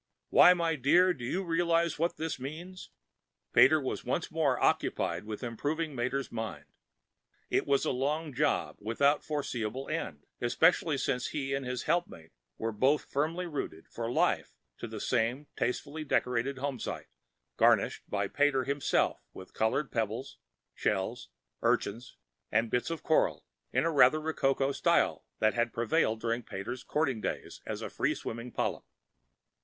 Why, my dear, do you realize what this means?" Pater was once more occupied with improving Mater's mind. It was a long job, without foreseeable end especially since he and his helpmeet were both firmly rooted for life to the same tastefully decorated homesite (garnished by Pater himself with colored pebbles, shells, urchins and bits of coral in the rather rococo style which had prevailed during Pater's courting days as a free swimming polyp).